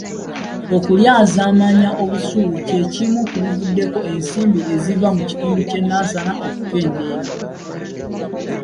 Okulyazaamaanya obusuulu kye kimu ku bivuddeko ensimbi eziva mu kitundu ky'e Nansana okukendeera.